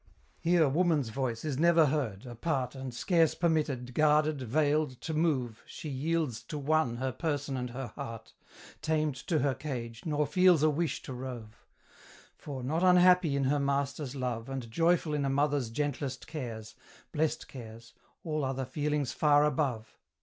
Here woman's voice is never heard: apart And scarce permitted, guarded, veiled, to move, She yields to one her person and her heart, Tamed to her cage, nor feels a wish to rove; For, not unhappy in her master's love, And joyful in a mother's gentlest cares, Blest cares! all other feelings far above!